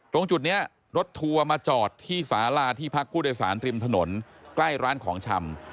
ตรงจุดนี้รถทัวร์มาจอดที่สาราที่พักผู้โดยสารริมถนนใกล้ร้านของชำ